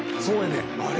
そうやね。